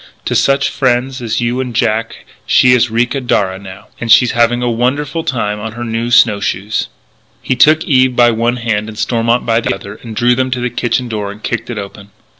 To such friends as you and Jack she is Ricca Darragh now ... and she's having a wonderful time on her new snow shoes " He took Eve by one hand and Stormont by the other, and drew them to the kitchen door and kicked it open.